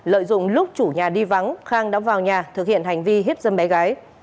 lợi dụng lúc chủ nhà đi vắng khang đã vào nhà thực hiện hành vi hiếp dâm bé gái